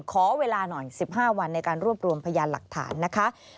ขอเวลาหน่อย๑๕วันในการรวบรวมพยานหลักฐานนะคะ